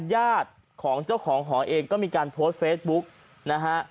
ญาติของเจ้าของหอเองก็มีการโพสต์เฟซบุ๊กนะฮะ